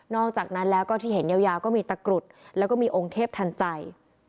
อกจากนั้นแล้วก็ที่เห็นยาวก็มีตะกรุดแล้วก็มีองค์เทพทันใจ